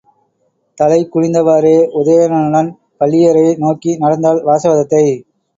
தலை குனிந்தவாறே உதயணனுடன் பள்ளியறையை நோக்கி நடந்தாள் வாசவதத்தை.